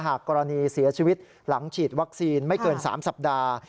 กรณีเสียชีวิตหลังฉีดวัคซีนไม่เกิน๓สัปดาห์